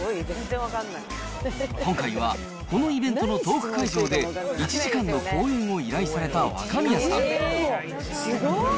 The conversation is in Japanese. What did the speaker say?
今回は、このイベントのトーク会場で、１時間の講演を依頼された若宮さん。